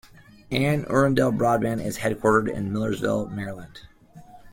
Anne Arundel Broadband is headquartered in Millersville, Maryland.